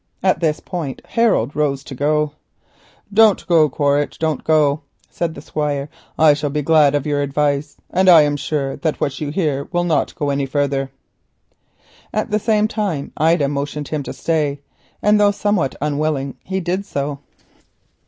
At this point Harold rose to go. "Don't go, Quaritch, don't go," said the Squire. "I shall be glad of your advice, and I am sure that what you hear will not go any further." At the same time Ida motioned him to stay, and though somewhat unwillingly he did so.